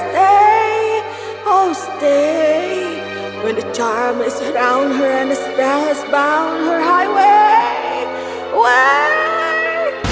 ketika burungnya di sekitar dia dan jalan yang terbaik menempatkan jalan tinggi